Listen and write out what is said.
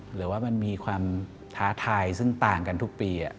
หรือว่ามันมีความท้าทายซึ่งต่างกันทุกปี